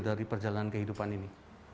dari perjalanan kehidupan ini